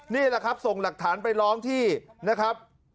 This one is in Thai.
นี่แหละครับส่งหลักฐานไปร้องที่นะครับ